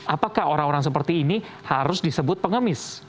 apakah orang orang seperti ini harus disebut pengemis